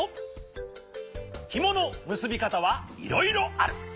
ひものむすびかたはいろいろある。